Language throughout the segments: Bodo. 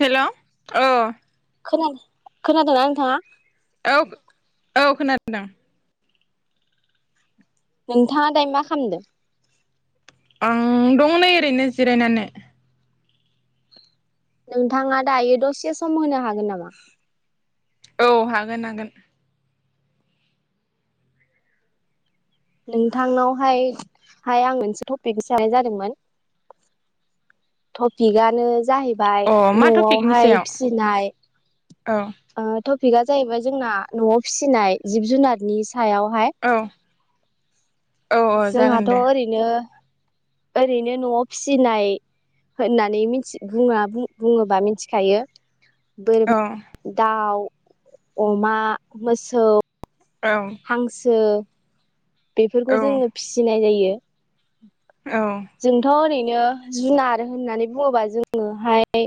हेल' औ । खोना खोनादोंना नोंथाङा? औ औ खोनादों । नोंथाङा दायो मा खामदों? आं दं नै ओरैनो जिरायनानै । नोंथाङा दायो दसे सम होनो हागोन नामा? औ हागोन हागोन । नोंथांनावहाय हाय आं मोनसे टपिक [unintelligible] जादोंमोन । टपिकआनो जाहै बाय अ मा टपिकनि न'आवहाय सायाव फिसिनाय औ आ ट' पिकआ जाहैबाय जोंना न'आव फिसिनाय जिब जुनारनि सायावहाय औ औ । औ जागोन जोंहाथ' दे ओरैनो ओरैनो न'आव फिसिनाय होननानै बुङा बुङोबा मिथिखायो बोर औ [inaudible] दाउ अमा मोसौ औ हांसो बेफोरखौ जोङो फिसिनाय जायो। औ [inaudible] जोंथ' ओरैनो ओ जुनार होननानै बुङोबा जोङोहाय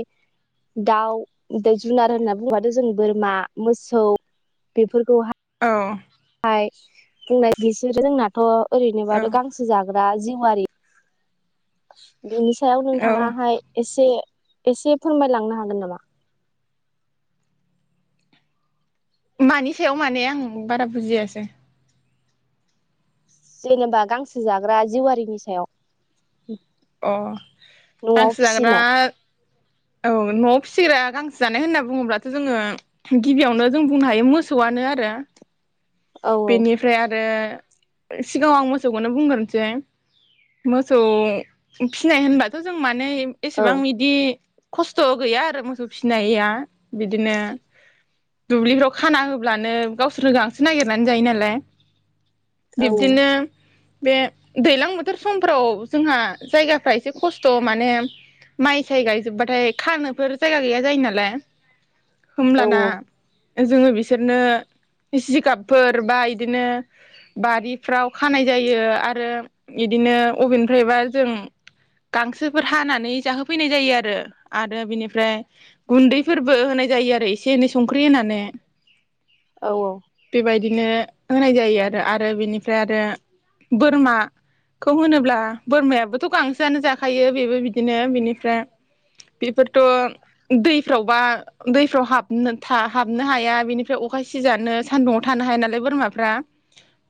दाउ जुनार होननानै बुङोबाथ' जों बोरमा मोसौ बेफोरखौहाय अह बुंनाय बिसोरो जोंनाथ' औ ओरैनोबाथ' गांसो जागोन [unintelligible] [inaudible] बिनि सायाव औ नोंथाङाहाय एसे एसे फोरमायलांनो हागोन नामा मानि सायाव माने आं बारा बुजियासै जेनेबा गांसो जाग्रा जिवारिनि सायाव अ न'आव हांसो जाग्रा फिसिनाय औ न'आव फिसिग्रा गांसो जानाय होनना बुङोब्लाथ' जोङो गिबियावनो जों बुंनो हायो मोसौआनो आरो औ बेनिफ्राय आरो सिगाङाव आं मोसौखौनो बुंग्रोनोसै मोसौ फिनाय होनबाथ' जों मा माने औ एसेबां बिदि खस्थ' गैया आरो मोसौ फिसिनाया बिदिनो दुब्लिफ्राव खाना होब्लानो गावसोरनो गांसो नागिर नानै जायोनालाय औ बिब्दिनो बे दैज्लां बोथोर समफोराव जोंहा जायगाफ्रा एसे खस्थ' माने माइ साय गायजोबबाथाय खानोफोर जायगा गैया जायो नालाय। औ होमब्लाना जोङो बिसोरनो जिगाब फोर बा बिदिनो बारिफ्राव खानाय जायो आरो इदिनो अबेनिफ्रायबा जों गांसोफोर हानानै जाहोफैनाय जायो आरो आरो बिनिफ्राय गुन्दैफोरबो होनाय जायो आरो एसे एनै संख्रि होनानै औ औ बेबायदिनो होनाय जायो आरो आरो बेनिफ्राय आरो बोरमाखौ होनोब्ला बोरमायाबोथ' गांसोआनो जाखायो बेबो बिदिनो बिनिफ्राय बेफोरथ' दैफ्रावबा दैफ्राव हाबनो हाबनो हाया बिनिफ्राय अखा सिजानो सान्दुङाव थानो हाया नालाय बोरमाफ्रा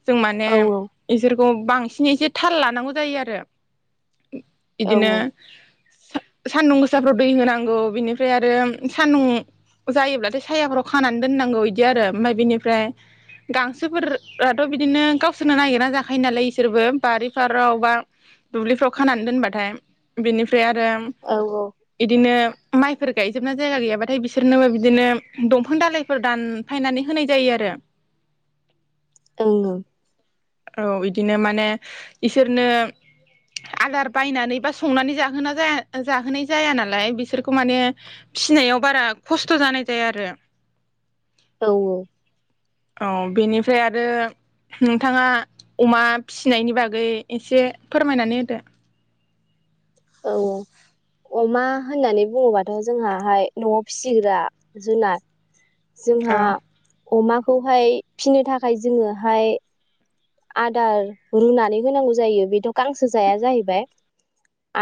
जों माने औ इसोर खौ बांसिन एसे थाल लानांगौ जायो आरो औ बिदिनो सान्दुं गोसाफ्राव दै होनांगौ बिनिफ्राय आरो सान्दुं जायोब्लाथाय सायाफोराव खानानै दोननांगौ बिदि आरो ओमफ्राय बिनि फ्राय गांसोफोराथ' बिदिनो गावसोरनो नागिरा जाखायो नालाय इसोरबो बारि फाराव बा दुब्लिफ्राव खानानै दोनबाथाय बिनिफ फ्राय आरो औ ओं इदिनो माइफोर गायजोबना जायगा गैयाबाथाय बिसोरनोबो बिदिनो दंफां दालाइफोर दानफायनानै होनाय जायोआरो द ओं ओ औ बिदिनो माने इसोरनो आदार बायनानै बा संनानै जाहोना जाया जाहोनाय जाया नालाय बिसोरखौ माने फिनायाव बारा खस्थ' जानाय जायाआरो औ औ औ बेनिफ्राय आरो नोंथाङा अमा फिनायनि बागै एसे फोरमायनानै होदो औ अमा होननानै बुङोबाथ' जोंहाहाय न'आव फिसिग्रा जुनार औ जोंहा अमाखौहाय फिनो थाखाय जोङोहाय आदार रुनानै होनांगौ जायो बेथ' गांसो जाया जाहैबाय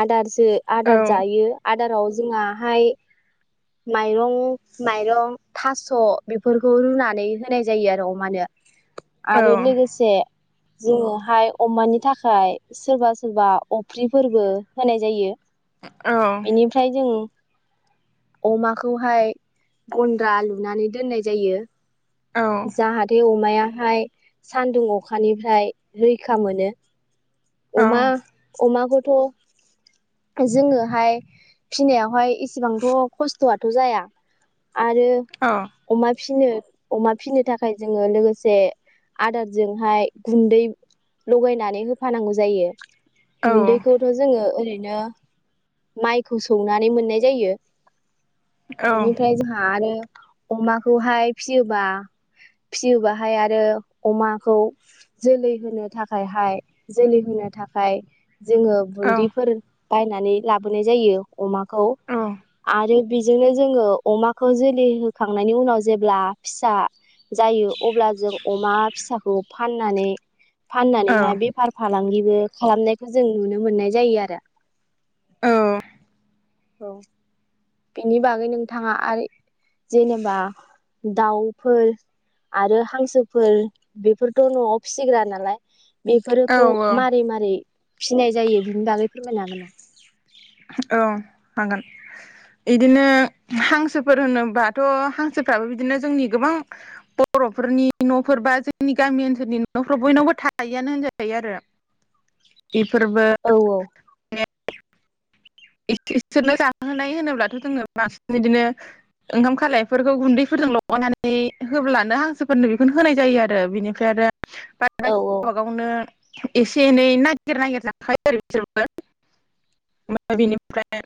आदारस सो औ आदार जायो आदाराव जोंङाहाय माइरं माइरं थास' बेफोरखौ रुनानै होनाय जायो आरो अमानो । औ आरो लोगोसे जोङोहाय अमानि थाखाय सोरबा सोरबा अफ्रिफोरबो होनाय जायो । बेनिफ्राय जों अमाखौहाय गन्द्रा लुनानै दोननाय जायो औ । जाहाथे अ अमायाहाय सानदुं अखानिफ्राय रैखा मोनो । औ अमा अमाखौ ओ जोङोहाय फिनायावहाय एसेबांथ' खस्थ'आथ' जाया । आरो औ अमाद फिनो अमाद फिनो थाखाय जोङो लोगोसे आदारजोंहाय गुन्दै लगायनानै होफानांगौ जायो । औ गुन्दैखौथ' जोङो ओरै बिदिनो माइखौ सौनानै मोननाय जायो । औ बिनिफाय जोंहा आरो अमाखौहाय फिसियोबा फिसियोबाहाय आरो अमाखौ जोलै होनो थाखायहाय जोलै होनो थाखाय जोङो बुन्दिफोर बायनानै लाबोनाय जायो । अमाखौ आरो बेजोंनो जोङो अमाखौ जोलै होखांनायनि उनाव जेब्ला फिसा जायो अब्ला जों अमा फिसाखौ फाननानै फाननानैहाय बेफार फालांगि बे खालामनायखौ जों नुनो मोननाय जायो आरो । औ बिनि बागै नोंथाङा आरो जेनेबा दाउ फोर आरो हांसोफोर बेफोरथ' न'आव फिसिग्रा नालाय । बेफोरखौ औ औ मारै मारै फिसिनाय जायो बिनि बागै फोरमायनो हागोन ना? [inaudible] औ हागोन इदिनो हांसोफोर होनोबाथ' हांसोफ्राबो बिदिनो जोंनि गोबां बर'फोरनि न'फोर बा जोंनि गामि ओनसोलनि न'फोराव बयनावबो थायोआनो होनजायो आरो । इफोरबो औ [unintelligible] बिसोरनो जाहोनाय होनोब्लाथ' जोङो बांसिन बिदिनो ओंखाम खालायफोरखौ गुन्दैफोरजों लगायनानै होब्लानो हांसोफोरनो बेखौनो होनाय जायो आरो बिनिफ्राय आरो [unintelligible] औ गावबागावनो एसे एनै नागिर नागिर जाखायो आरो बिसोरबो। बेनिफ्राय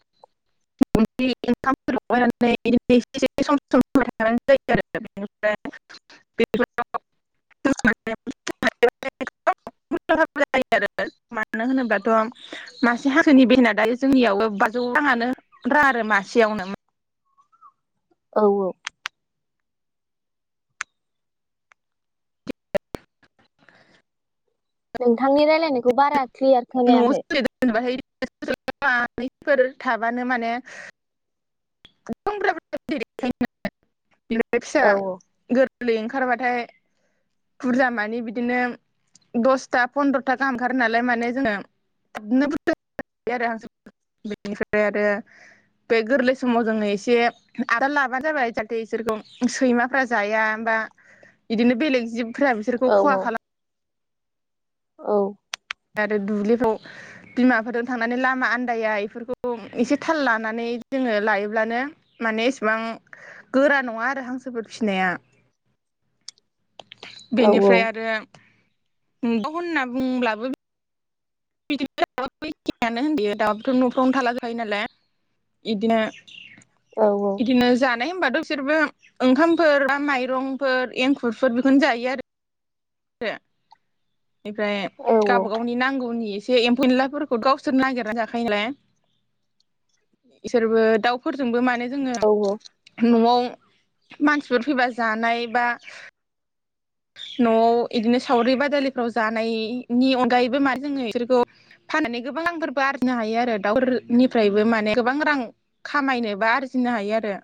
[unintelligible] मानो होनोब्लाथ' मासे हांसोनि बेसेना दायो जोंनियावबो बाजौ राङानो रा आरो मासेयावनो। औ औ नोंथांनि रायलायनायखौ बारा क्लियार न' खोनायाखै [unintelligible] [unintelligible] थाबानो माने [unintelligible] बिनिफ्राय फिसा औ गोर गोरलै ओंखारबाथाय बुरजा मानि बिदिनो दसथा फन्द्र'था गाहाम ओंखारो नालाय माने जोङो [unintelligible] बेनिफ्राय आरो बे गोरलै समाव जोङो एसे आदार लाबानो जाबाय जाहाथे बिसोरखौ सैमाफ्रा जाया बा बिदिनो बेलेग जिब फोरा बिसोरखौ औ खहा खालाम औ आरो दुब्लिफ्राव बिमाफोरजों थांनानै लामा आन्दाया बेफोरखौ एसे थाल लानानै जोङो लायोब्लानो माने एसेबां गोरा नङा आरो हांसोफोर फिसिनाया। औ बेनिफ्राय आरो [unintelligible] होनना बुंब्लाबो बिदिनो [unintelligible] दाबोथ' न'फ्रावनो थालाजोबखायो नालाय बिदिनो औ इदिनो जा जानाय होनबाथ' बिसोरबो ओंखामफोर बा माइरंफोर एंखुरफोर बेखौनो जायो आरो। से बेनिफ्राय औ गावबा गावनि नांगौनि ए‌ एसे एम्फौ एनलाफोरखौ गावसोर नागिरना जाखायो नालाय इसोरबो दाउफोरजोंबो माने जोङो न'आव मानसिफोर फैबा जानाय बा न'वाव इदिनो सावरि बादालिफ्राव जानायनि अनगायैबो मा जोङो बिसोरखौ फाननानै गोबां रांफोरबो आरजिनो हायो आरो दाउफोरनिफ्रायबो माने गोबां रां खामायनोबा आरजिनो हायो आरो।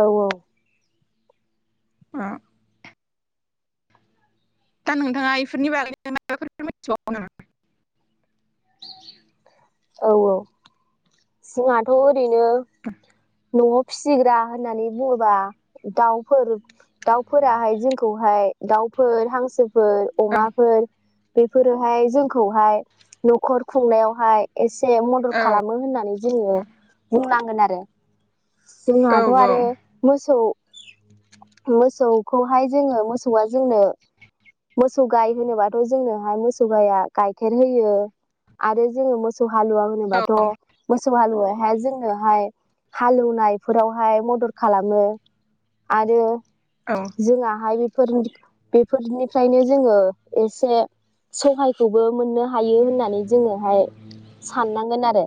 औ औ उम दा नोंथाङा बेफोरनि बागै नों माबाफोर मिथिबावौ नामा? औ औ जोङाथ' ओरैनो न'आव फिसिग्रा होननानै बुङोबा दाउफोर दाउफोराहाय जोंखौहाय दाउफोर हांसो फोर अमाफोर बेफोरोहाय जोंखौहाय न'खर खुंनायावहाय एसे से मदद खालामो होननानै जोङो बुंनांगोन आरो [unintelligible] औ जोंहाथ' आरो मोसौ मोसौखौहाय जोङो मोसौआ जोंनो मोसौ गाय होनोबाथ' जोंनोहाय मोसौ गाइया गाइखेर होयो आरो जोङो मो सौ हालुवा औ होनोबाथ मोसौ हा [unintelligible] फुङावहाय जोंनोहाय हालेवनायफोरावहाय मदद खालामो आरो औ जोंहा हाय [unintelligible] बेफोरनिफ्रायनो जोङो एसे सहायखौबो मोननो हायो होननानै जोङोहाय साननांगोन आरो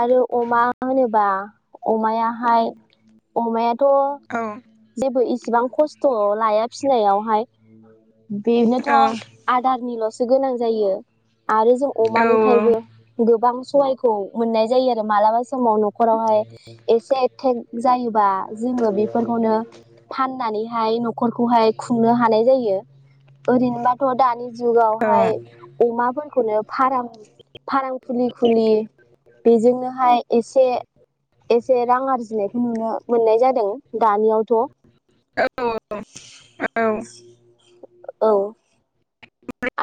आरो अमा होनोबा अमायाहाय अमायाथ' औ जेबो इसेबां खस्थ' लाया फिनायावहाय बेनोथ' आदारनिल'स गोनां जायो। आरो जों औ अमानिफ्रायबो गोबां सहायखौ मोननाय जायो आरो मालाबा समव न'खरावहाय एसे थेक जायोबा जोङो बेफोरखौनो फाननानै हाय न'खरखौहाय खुंनो हानाय जायो। ओरैनोबाथ' दानि जुगावहाय अमाफोरखौनो फाराम फाराम खुलि खुलि बेजोंनोहाय एसे एसे रां आरजिनायखौ नुनो मोननाय जादों। दानियावथ' औ औ औ औ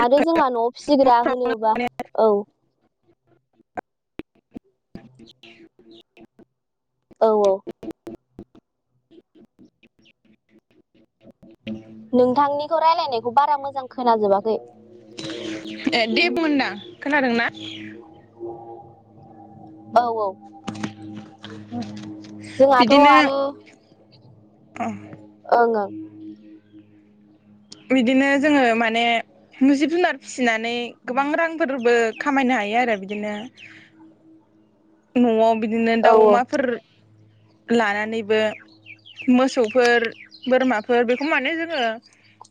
आरो जोंहा न'आव फिसिग्रा होनोबा औ औ औ नोंथांनिखौ रायलायनायखौ बारा मोजां खोनाजोबाखै। दे [unintelligible] बुं होनदां खोनादोंना? औ औ जोंहाथ' बिदिनो आरो [inaudible] बिदिनो जोङो माने जिब जुनार फिसिना नै गोबां रांफोरबो खामायनो हायो। हायो आरो बिदिनो। न'आव बिदिनो ओं औ दाउ अमाफोर लानानैबो मोसौफोर, बोरमाफोर बेखौ माने जोङो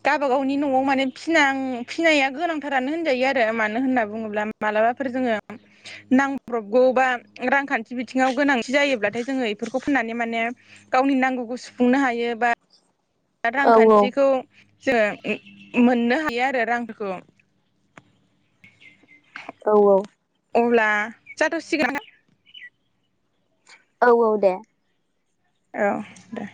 गाबा गावनि न'आव माने फिनां फिनाया गोनांथारानो होनजायो आरो मानो होनना बुङोब्ला मालाबाफोर जोङो नांब्रबगौ बा रांखान्थि बिथिङाव गोनांथि जायोब्लाथाय जोङो इफोरखौ फाननानै माने गावनि नांगौखौ सुफुंनो हायो बा औ रांखान्थिखौ जोङो उ मोननो हायो आरो रांफोरखौ। औ औ। अब्ला जाथ'सिगोन ना? औ औ दे। औ दे।